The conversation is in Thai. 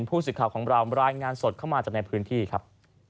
ผู้สื่อข่าวของเรารายงานสดเข้ามาจากในพื้นที่ครับ